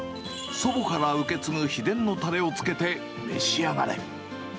祖母から受け継ぐ秘伝のたれをつけて召し上がれ。